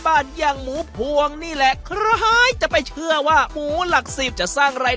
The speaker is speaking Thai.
แถมยังมีคนแชร์กันกระหน่ำโลกโซเทียล